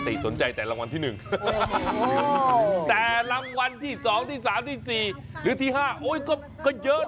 สนใจแต่รางวัลที่๑แต่รางวัลที่๒ที่๓ที่๔หรือที่๕โอ้ยก็เยอะนะ